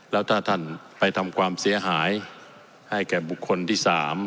แล้วถ้าท่านไปทำความเสียหายให้แก่บุคคลที่๓